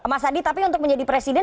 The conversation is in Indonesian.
mas adi tapi untuk menjadi presiden